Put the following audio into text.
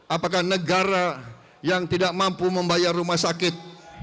apakah negara yang tidak mampu membayar rumah sakit